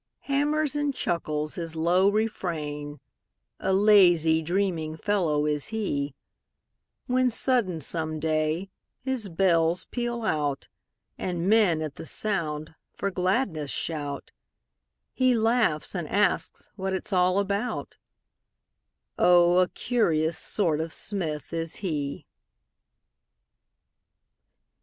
Hammers and chuckles his low refrain, A lazy, dreaming fellow is he: When sudden, some day, his bells peal out, And men, at the sound, for gladness shout; He laughs and asks what it's all about; Oh, a curious sort of smith is he.